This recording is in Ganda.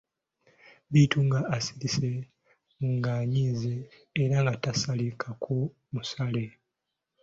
Bittu nga asirise, ng'anyiize, era nga tasalikako musale.